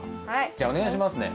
じゃあおねがいしますね。